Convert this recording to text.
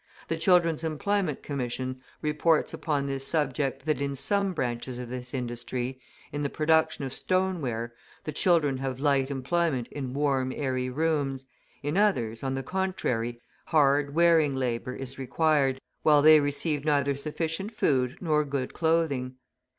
The Children's Employment Commission reports upon this subject that in some branches of this industry, in the production of stoneware, the children have light employment in warm, airy rooms; in others, on the contrary, hard, wearing labour is required, while they receive neither sufficient food nor good clothing.